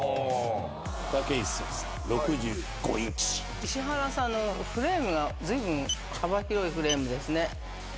石原さんのフレームがずいぶん幅広いフレームですね。